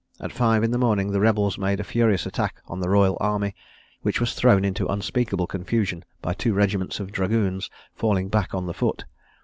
At five in the morning, the rebels made a furious attack on the royal army, which was thrown into unspeakable confusion by two regiments of dragoons falling back on the foot.